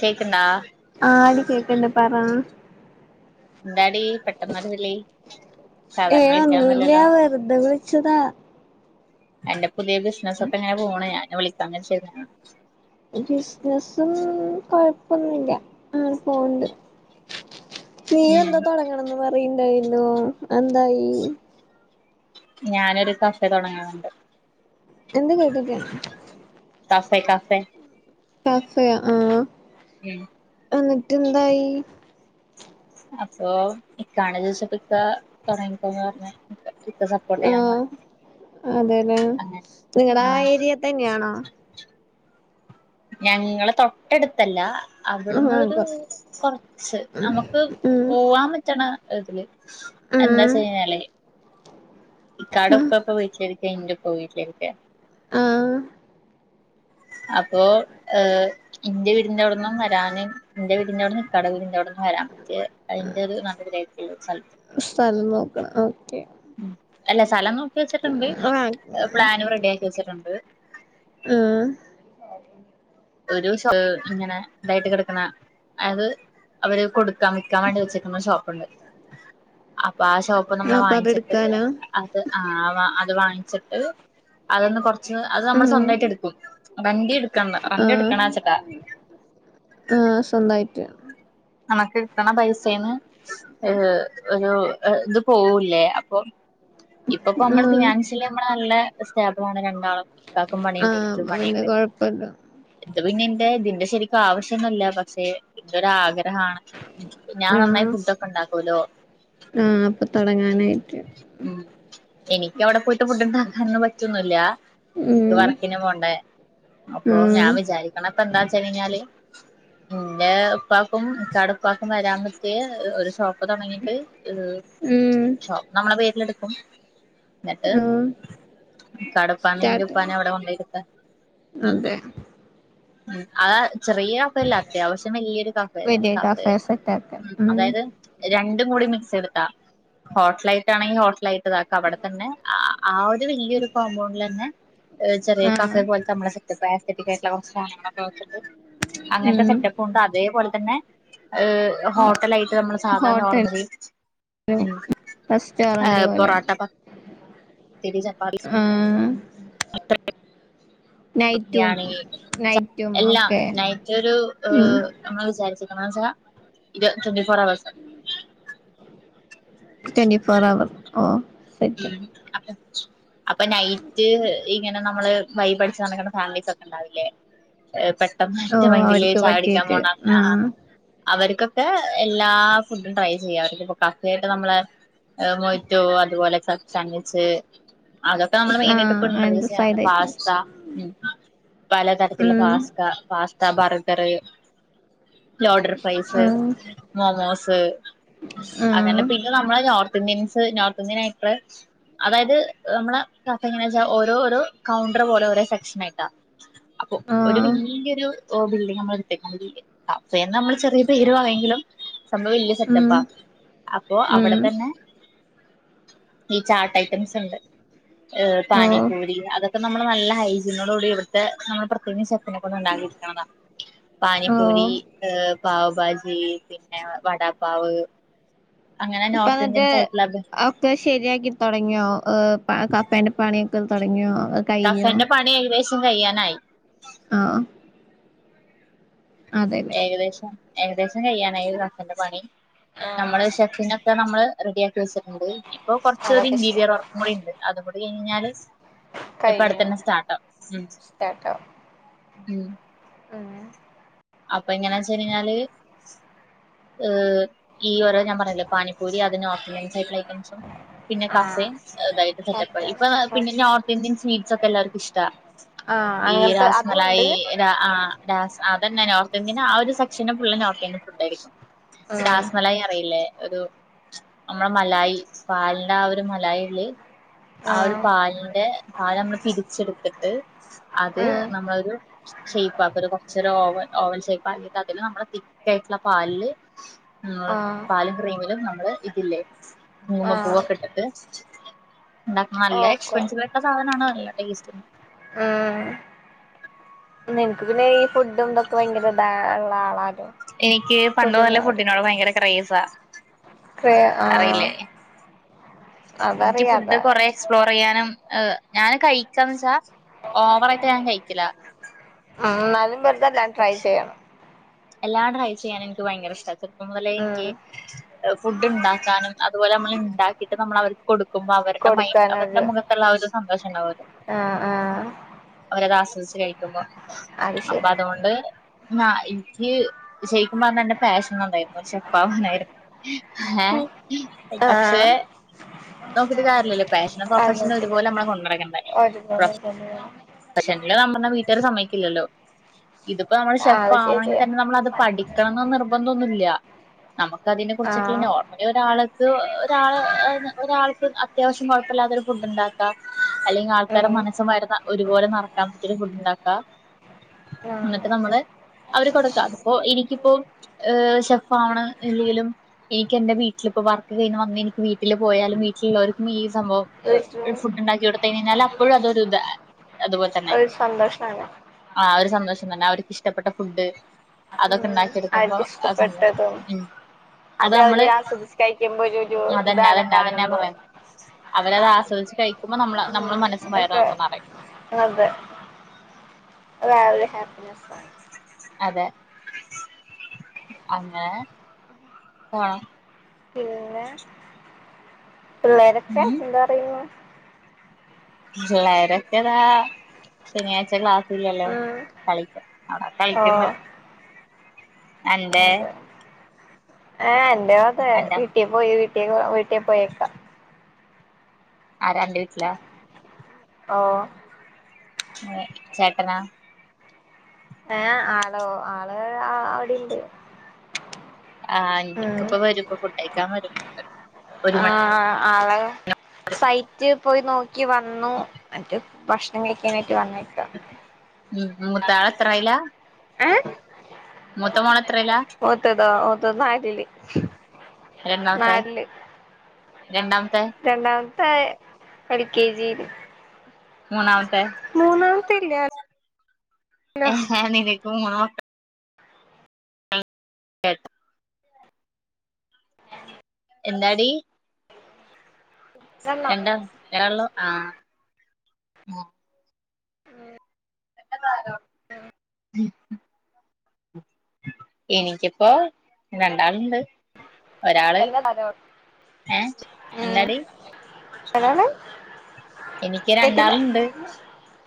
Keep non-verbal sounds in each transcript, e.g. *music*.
കേക്ക്ണ്ടാ ആടി കേക്ക്ണ്ട് പറ എന്താടി പെട്ടന്നൊരുവിളി ഏഹ് ഒന്നുല്ല വെറുതെ വിളിച്ചതാ എന്റെ പുതിയ ബിസിനസ്സ് ഒക്കെ എങ്ങനെ പോണ് അനെ വിളിക്കാ *unintelligible* ബിസിനസും കൊഴപ്പൊന്നുല്ല അങ്ങനെ പോവണ്ട് നീ ഉം എന്താ തുൊടങ്ങണംന്ന് പറയ്ണ്ടായിനു അതെന്തായി ഞാനരു കഫെ തുടങ്ങണന്നുണ്ട് എന്ത് കേട്ടില കഫേ കഫേ കഫെ ആ ഉം എന്നിട്ട് എന്തായി അപ്പൊ ഇ കാണ ദിവസപ്പക്ക കൊറിക്കന്ന് പറഞ്ഞ ഇക്ക സപ്പോർട്ട് ചെയ്യാൻ ആഹ് അതെല്ലേ നിങ്ങളടെ ആ ഏരിയ തന്നെയാണോ ഞങ്ങള് തൊട്ടടുത്തല്ല അവിടന്ന് ആഹ് ഒരു കൊ കൊറച്ച് നമുക്ക് ഉം പോവാൻ പറ്റണ ഇതില് എന്താ ഉം ചെയ്യല്ലേ ഇക്കട ആഹ് ഉപ്പ വീട്ടിലിരിക്കെ ഇന്റുപ്പ വീട്ടിലുണ്ട് ആഹ് അപ്പോ എന്റെ വീടിന്റെവിടന്ന് വരാൻ എന്റെ വീടിന്റെറ അവിടന്ന് ഇക്കാൻറ വീടീ അവിട്ന്ന് വരാം മറ്റേ അതിന്റെറെ ഒരു നടുവിലാണ് സ്ഥലത്ത് സ്ഥലം ഓക്കെ ഉം അല്ല സ്ഥലം നോക്കി വെച്ചിട്ടുണ്ട് ആഹ് പ്ലാന് റെഡി ആക്കി വെച്ചിട്ടുണ്ട്. ആ ഒരു ഇങ്ങനെ ഇതായിട്ട് കിടക്കുന്ന അതായത് അവര് കൊടു വിക്കേവണ്ടി വെച്ചക്കെന്ന ഷോപ്പുണ്ട് അപ്പൊ ആ ഷോപ്പിന്ന് നമ്മൾ അപ്പൊ വാങ്ങിച്ചിട്ട് അതെടുക്കാനാ അത് ആ അത് വാങ്ങിച്ചിട്ട് അതൊന്ന് കൊറച്ച് അത് നമ്മൾ സ്വന്തമായിട്ട് എടുക്കും വണ്ടി എടുക്കണ്ടാ ആ ആ സ്വന്തായിട്ട് നമുക്ക് കിട്ടണ പൈസേന്ന് ഏ ഒരു ഇത് പോവൂല്ലേ അപ്പൊ ഉ ഇപ്പ ഇപ്പൊ നമ്മള് ഫിനാൻഷ്യലി നമ്മള് നല്ലെ സ്റ്റേബിൾ ആണ് രണ്ടാളും ഇക്കാക്കും പണിയിണ്ട് ഇനിക്കുംപണിയിണ്ട് അല്ല ഇന്ത് പിന്നെന്റെ ഇതിന്റെ ശരിക്കും ആവശ്യൊന്നല്ല പക്ഷെ ഇന്റെൊരാഗ്രഹം അ ഞാൻ നന്നായി ആഹ് ഫുഡ് ഒക്കെ ഉണ്ടാക്കൊല്ലോ ആഹ് അപ്പൊ തൊടങ്ങാനായിട്ട് ഉ എനിക്ക് അവിടെ പോയി ഫുഡ് ഉണ്ടാക്കാനൊന്നും പറ്റൊന്നുല്ല ഉം വർക്കിന് പോണ്ടേ അപ്പൊ ആഹ് ഞാൻ വിചാരിക്കണ ഇപ്പ എന്താച്ചഴിഞ്ഞാല് എന്റെ ഉപ്പാക്കും ഇക്കാട് ഉപ്പാക്കും വരാബാറ്റെയ് ഒരു ഷോപ്പ് തുടങ്ങിട്ട് ഉം ഷോപ്പ് നമ്മളെ പേരിലെടുക്കും എന്നിട്ട് ആഹ് ഇക്കാടെ ഉപ്പാനെയും ഇന്റെ സ്റ്റാർട്ട് ഉപ്പാന അവിടെ കൊണ്ടോയിരിത്താൻ അതെ ആ ചെറിയ കഫയല്ല അത്യാവശ്യം വലിയരു കഫയരുന്നു വലിയ കഫ കഫേ സെറ്റാക്ക ഉ ഉം അതായത് രണ്ടും കൂടി മിക്സ് എടുത്താ ഹോട്ടല ആയിട്ടാണെങ്കിൽ ഹോട്ടലായിട്ടതാക്കാ അവിടെ തന്നെ ആ ഒരു വല്യൊരു കോമ്പൗണ്ടിൽ തന്നെ ചെറിയ ആഹ് കഫെ പോലെത്തെ നമ്മടെ സെറ്റപ്പ് ആസ്തെറ്റികയായിട്ടുള്ള കുറച്ച് സധങ്ങളൊക്കെ വച്ചിട്ട് അങ്ങനത്തെ ഉം സെറ്റപ്പും ഉണ്ട് അതേപോലെ തന്നെ ഏ ഹോട്ടലായിട്ട് നമ്മൾ സാധാ ഹോട്ടലും നോർമലി റെസ്റ്റോറന്റ് പോലെ ആപൊറോട്ട പത്തിരി ചപ്പാത്തി ആഹ് നൈറ്റും നൈറ്റും എല്ലാം ഒക്കെ നൈറ്റൊരു ഉം നമ്മൾ വിചാരിച്ച twenty four hours twenty four hour ഓ ഉ സെറ്റ് അപ്പ അപ്പൊ നൈറ്റ് ഇങ്ങനെ നമ്മള് വൈ പഠിച്ച നമക്കുന്ന ഫാമിലീസ് ഒക്കെ ഉണ്ടാവില്ലേ ഓ ഒറ്റ മൈന്റ്റിൽ അവർക്ക് ചായക്കുടിക്കാൻ പറ്റിയിട്ട് പോണ ആഹ് അവർക്ക് എല്ലാ ഫുഡും ട്രൈ ചെയ്യ അവർക്ക ഇപ്പ കക്കയായിട്ട് നമ്മള മൊയ്റ്റോ അതുപോലെ വെജ് സംവിജ്ജ് അതൊക്കെ നമ്മള് മെയിനായിട്ട് ആഹ് ഇപ്പ അയിന്റെ ഇന്റർഡുസ് ചെയ്യണ്ട് സൈഡായിട്ട് പാസ്ത പലതരത്തിലുള്ള ഉം pasta pasta burger loaded fries ആഹ് മോമോസ് അങ്ങനെ ആഹ് പിന്നെ നമ്മള് നോർത്ത് ഇന്ത്യൻസ് നോർത്ത് ഇന്ത്യൻ ആയപ്പള് അതായത് നമ്മളെ കഫ എങ്ങനാച്ചാ ഓരോരോ കൗണ്ടർ പോലെ ഓരോ സെക്ഷൻ ആയിട്ടാ അപ്പൊ ഒരു ആഹ് വല്യൊരു ബിൽഡിങ് നമ്മൾ എടുത്തേക്കണത് അ നമ്മള് ചെറിയ പേരു *unintelligible* സംഭവം വലിയ ഉം സെറ്റപ്പാ അപ്പൊ അവിടെ ഉം തന്നെ ഈ ചാട്ട് ഐറ്റംസ്ണ്ട് ഓഹ് പാനിപൂരി അതൊക്കെ നമ്മൾ നല്ല ഹൈജിനോടികൂടി ഇവിടുത്തെ നമ്മള് പ്രത്യേക ഉണ്ടാക്കിയെടുക്കണതാ പാനിപൂരി ഓഹ് പാവ്ഭാജി പിന്നെ വടാപ്പാവ് അങ്ങനെ ഇപ്പ നോർത്ത് എന്നിട്ട് ഇന്ത്യൻ സൈക്ലബ് ഒക്കെ ശരിയാക്കി തുടങ്ങിയോ കഫെന്റ പണിയൊക്കെ തുടങ്ങിയോ കഫെന്റെ പണി ഏകദേശം കയ്യാനായി ആ ഏകദേശം ഏകദേശം കഴ്യാനായി ഒരു കഫെടെ പണി നമ്മള് ആഹ് ഷെഫിനൊക്കെ നമ്മള് റെഡിയാക്കി വെച്ചിട്ടുണ്ട് ഇപ്പോ കൊറച്ചൊര് അതൊക്കെ ശരി ഇന്റീരിയർ വർക്കും കൂടി ഉണ്ട് അതുംകൂടി കഴിഞ്ഞാല് എപ്പ കഴിഞ്ഞു അടുത്തന്നെ സ്റ്റാർട്ടാവും ഉം അപ്പൊ എങ്ങനാച്ച് കഴിഞ്ഞാല് ഏ ഈ ഓരോ ഞാൻ പറയല്ലേ പാനിപ്പൂരി അതിന് ഓർലൈ ഐറ്റംസും പിന്നെ കഫേ ആഹ് അതായിട്ട് സെറ്റപ്പായി. ഓക്കെ ഇപ്പ പിന്നെ നോർത്ത് ഇന്ത്യൻ സ്വീറ്റ്സ് ഒക്കെ എല്ലാവർക്കും ഇഷ്ട ആഹ് ഈ അങ്ങനത്തെ അതുണ്ട് രാസ്മലായി ആ രാസ് അതന്നെ നോർത്ത് ഇന്ത്യന ആ ഒരു സെക്ഷന് പുള്ളി നോർത്ത് ഇന്ത്യൻ ഫുഡ് ആയിരിക്കും ഉം രാസ്മലായി അറിയില്ലേ ഒരു നമ്മള മലായി പാലിന്റെ ആ ഒരു മലായിള്ള ആ ഒരു ആഹ് പാലിന്റെ പാലമ്മള് പിരിച്ചെടുത്തിട്ട് അത് ഉം നമ്മളൊരു ഷേപ്പ് ആ ഒരു കൊറച്ചൊ ഓവ ഓവൻ ഷേപ്പ് ആക്കിട്ട് അതിന് നമ്മള് തിക്കായിട്ടുള്ള പാലില് ഉ ആഹ് പാലും ക്രീമിലും നമ്മള് ഇതില്ലേ കുങ്ങ്മ ആഹ് പൂവൊക്കെ ഇട്ടട്ട് ഉണ്ടാക്ക നല്ല ഓക്കോണ് എക്സ്പെൻസീവ് ആയിട്ട സാധനണ് നല്ല ടേസ്റ്റി ഉം നിനക്ക് പിന്നെ ഈ ഫുഡും ഇതൊക്കെ ഭയങ്കര ഇതാള്ള ആളാരോ എനിക്ക് പണ്ട് മുതലേ ഫുഡന്ന് ഫുഡിനോട് ഭയങ്കര ക്രേസാ അറിയില്ലേ ഇനിക്ക് അതറിയാ ഫുഡ് അതാ കൊറെ എക്സ്പ്ലോർ പറയാനും ഞാന് കഴിക്കന്ന് വെച്ചാ ഓവറായിട്ട് ഞാൻ കഴിക്കില്ല ഉ അന്നലും വെറുത എല്ലാം ട്രൈ ചെയ്യണം എല്ലാം ട്രൈ ചെയ്യാൻ എനിക്ക് ഭയങ്കരഷ്ടട്ട ഉം മുതലേനിക്ക് ഫുഡ് ഇണ്ടാക്കാനും അതുപോലെ നമ്മൾ ഇണ്ടാക്കിട്ട് നമ്മൾ അവർക്ക് കൊടു ക്കുമ്പ അവരുടെ മൈ അവരുടെ മുഖത്തുള്ള ഒരു സന്തഷണ്ടാവും ആ ആ അതാസ്വദിച്ച് കഴിക്കുമ്പോ അത് ശരി *unintelligible* ജയിക്കുമ്പോന്ന എന്റെ പാഷനുണ്ടായിരുന്നു ഷെഫാവാനായിരുന്നു. ഏ പക്ഷേ ആഹ് നോക്കിട്ട് കാര്യല്ലോ പാഷനും അത് പ്രൊഫഷനും ശരി ഒരുപോലമ്മള് കൊണ്ടടക്കണ്ടേ ഒരുപോലെ തന്നെ *unintelligible* പറഞ്ഞ വീട്ടാര് സമ്മേക്കില്ലല്ലോ ഇതിപ്പോ നമ്മള് ഷെഫ് അത് ആവണെങ്കി ശരിയാ തന്നെ നമ്മള അത് പഠിക്കണംന്ന് നിർബന്ധൊന്നുല്ല നമുക്ക് അതിനെ കുറിച്ചെക്കയി ആഹ് നോർമലി ഒരാള് ഇത് ഒരാള് ഒരാൾക്ക് അത്യാവശ്യം കുഴപ്പില്ലാത്തൊരു ഫുഡ് ഉണ്ടാക്കാം അല്ലെങ്കിൽ ആൾക്കാരടെ ഉം മനസ്സും വരുന്ന ഒരുപോലെ നറക്കാൻ പറ്റിയരു ഫുഡ്ണ്ടാക്കാ ആഹ് ന്നിട്ട് നമ്മള് അവര് കൊടുക്കാ ഇപ്പോ എനിക്കിപ്പോ ഏ ഷെഫാണ് എല്ലെങ്കിലും എനിക്ക് എന്റെ വീട്ടിലിപ്പോ വർക്ക് കഴി വന്ന് എനിക്ക് വീട്ടില് പോയാലും വീട്ടിലുള്ളവർക്കും സംഭവം വീട്ടില് ഫുഡ് ഉണ്ടാക്കി കൊടു കഴഞ്ഞാൽ അപ്പോഴും അതൊരു അതുപോലെ തന്നെ ഒരു സന്തോഷാണ് ആ ഒരു സന്തോഷം തന്നെ അവർക്ക്ിഷ്ടപ്പെട്ട ഫുഡ് അതൊക്കെ ഉം ഉണ്ടാക്കി എടുക്കുമ്പോ അവർക്ക് അ സന്തോഷം ഇഷ്ടപ്പെട്ടതും ഉം അത് അവര് നമ്മള് ആസ്വദിച്ച് കഴിക്കുമ്പോ ഒരു ഒരു അതന്നെ ഇതാണ് അതന്നെ അതെന്നെ കാണുമ്പോ പറയുന്നു അവരത് ആസ്വദിച്ച കഴിക്കുമ്പോ നമ്മ നമ്മുടെ മനസ്സ് വയർ ക്കന്ന്റിയയും അതെ വേ ഹാപ്പിനെസ് അതെ അങ്ങന ആഹ പിന്നെ പിന്നേരൊക്കെ ഉം എന്താ പറയുന്നു പിള്ളേര്ക്കതാ ശനിയാഴ്ച ക്ലാസ്സല്ലല്ലോ ഉം കളിക്ക അവിട ഓ കളിക്കുമ്പ അണ്ടേ ആഹ എന്റെ അത വീട്ടിൽ പോയി വീട്ട വീട്ട പോയേക്കാം ആ രണ്ട് വീട്ടില ഓ എ ചെക്കനാ ഏ ആളോ ആള് ആ അവിടെണ്ട് ആ യിക്ക ഉം ഇപ്പ വരും ഇപ്പം ഫുഡ് കഴക്കാൻ വരും ഒരു മ ആളെ സൈറ്റ് പോയി നോക്കി വന്നു മറ്റേ ഭക്ഷണം കഴിക്കാനായിട്ട് വന്നേക്ക ഉ മൂത്താള് എത്രായിലാ ഏഹ് മൂത്ത മോള് എത്രെലാ? ഒന്ന് നാലില് രണ്ടാമത്തെ നാലില് രണ്ടാമത്തെ രണ്ടാ എൽ കെ ജി ല് മൂന്നാമത്തെ മൂന്നാമത്തെ ഇല്ല ഏ നിനക്ക് മൂന്നു മക്ക എട്ട എന്താടി രണ്ടെണ്ണം രണ്ട് മക്കളൊള്ളൂ ആഹ് ആഹ് പെട്ടന്നാലൊ ഉം എനിക്കിപ്പോ രണ്ടാള്ണ്ട് ഒരാള് വല്ല തലോ ഏ എന്താടി ഏതാണ് എനിക്ക് രണ്ടാള്ണ്ട്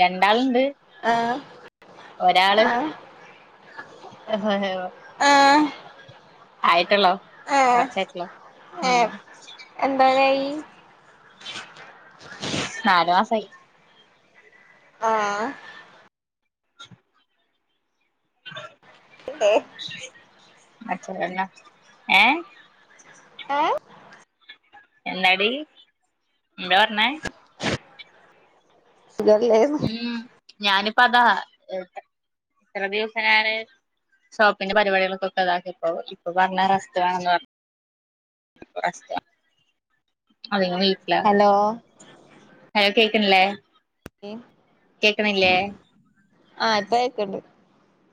രണ്ടാള്ണ്ട് ആഹ് ഒരാള് ആഹ് ആഹ് ആയിട്ടൊള്ളോ ആഹ് കുറച്ചായിട്ട്ള്ളൂ ഉം ഏഹ് എന്തോരായി നാലു മാസായി ആഹ് ഹെ അച്ഛൻ തന്ന ഏ ഏ എന്താടി എന്താ പറഞ്ഞെ സുഖല്ലെന്ന് ഞാനിപ്പോ അതാ എത്ര ദിവസം നാന് ഷോപ്പിന്റെ പരിപാടികൾക്കൊക്കെ പ്പഇതാക്കി ഇപ്പോ ഇപ്പ പറഞ് റസ്റ്റ് വെണന്ന് പറഞ് ഇപ്പ റെസ്റ്റാ അതെ ഞാൻ വീട്ട്ലാ ഹലോ ഹലോ കേക്ക്ൺലെ ആഹ് ഇപ്പ കേക്ക്‌ണ്ട്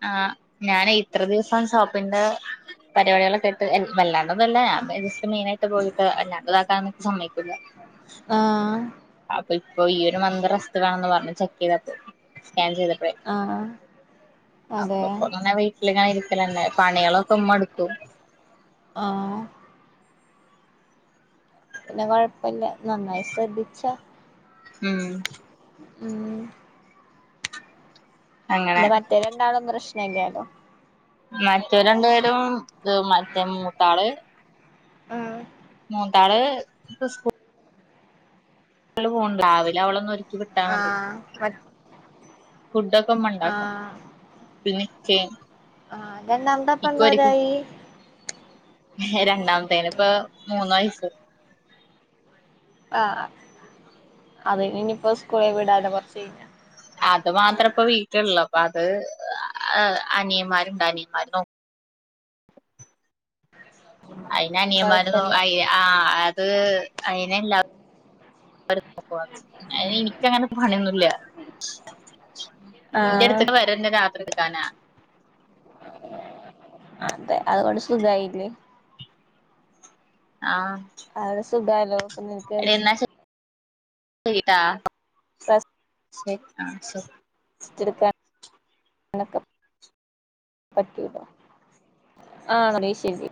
ആ ഞാനേ ഇത്ര ദിവസം സോപ്പിന്റെ പരിപാടികളൊക്കായ്ട്ട് വല്ലാ അത് തന്നെ ജസ്റ്റ് മെയ്നായിട്ട് പോയിട്ട് അല്ലാത്തതാക്കാനൊന്നും സമ്മയ്ക്കൂല ആഹ് ഇപ്പൊ ഈ ഒരു മന്ത് റസ്റ്റ് വേണംന്ന് പറഞ്ഞ് ചെക്കെയ്ത്ട്ട് സ്കാൻ ചെയ്തപ്പഴെ ആഹ് അതെ അപ്പൊപ്പൊന്നാ വീട്ടിലങ്ങനെ ഇര്ക്കലന്നെ പണികളൊക്കെമ്മട്ക്കും ആ പിന്നെ കൊഴപ്പെല്ല നന്നായി ശ്രദ്ധിച്ചാേ ഉം ഉം അങ്ങനെ പിന്നെ മറ്റേ രണ്ടാളും പ്രശ്നല്ല്യാലോ മറ്റവര് രണ്ട് പേരും മറ്റേ മൂത്താള് ആ മൂത്താള് പ് സ്കു ള് പോണ്ട് രാവിലെ അവളൊന്നൊര് ആ മ ഫുഡൊക്കെ മ്മണ്ടാക്കും പിന്നെ ചേ ആ രണ്ടാമത്തെപ്പന്തോരായി രണ്ടാമത്തേന്പ്പ മൂന്ന് വയസ്സ് ആ അതിനിനിപ്പോ സ്കൂളിൽ വിടാലോ കൊർച്ചയ്ഞ്ഞാ അത് മാത്രപ്പ വീട്ടിൽള്ളു അപ്പ അത് ആ അനിയമ്മാര്ണ്ട്‌ അനിയമ്മാര് നോ അയ്ന് അനിയമ്മാര് നോ കൊഴപ്പല്ല അയ് ആ അത് അയ്നല്ല എനിക്കങ്ങനെ പണിയൊന്നുല്ല ആഹ് ഇന്റെട്ത്ക്ക് വരന്നെ രാത്രിട്ക്കാനാ അതെ അതുകൊണ്ട് സുഖായില്ലേ ആ അത് സുഖയലോ അപ്പൊ ങ്ങക്ക്ന്ന് ട്ടാ ശെരി ആ ശെരി സ്‌റ്റ്ട്ക്ക ണക്കം പറ്റൂല ആ ശെരി